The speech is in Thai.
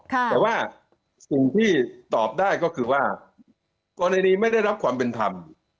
แต่ว่าสิ่งที่ตอบได้ก็คือว่ากรณีไม่ได้รับความเป็นธรรม